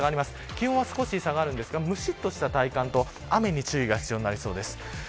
気温は少し下がりますがむしっとした体感と雨に注意が必要になりそうです。